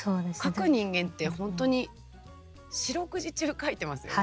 書く人間って本当に四六時中書いてますよね？